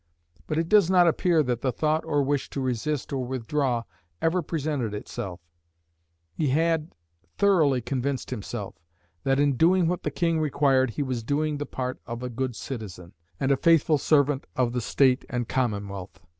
But it does not appear that the thought or wish to resist or withdraw ever presented itself; he had thoroughly convinced himself that in doing what the King required he was doing the part of a good citizen, and a faithful servant of the State and Commonwealth.